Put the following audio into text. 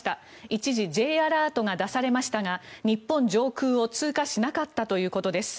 一時Ｊアラートが出されましたが日本上空を通過しなかったということです。